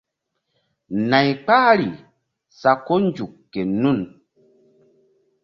Nay kpahri sa ko nzuk ke nun.